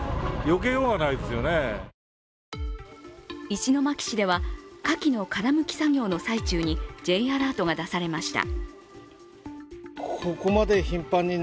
石巻市ては、かきの殻むき作業の最中にＪアラートが出されました。